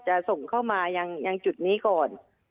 จะส่งเข้ามายังจุดนี้ก่อน